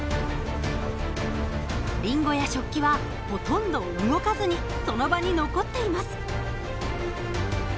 りんごや食器はほとんど動かずにその場に残っています。